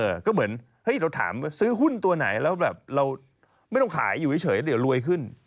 ก็เหมือนเฮ้ยเราถามซื้อหุ้นตัวไหนแล้วแบบเราไม่ต้องขายอยู่เฉยเดี๋ยวรวยขึ้น